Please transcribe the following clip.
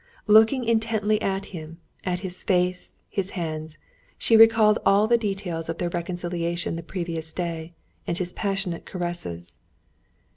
Looking intently at him, at his face, his hands, she recalled all the details of their reconciliation the previous day, and his passionate caresses.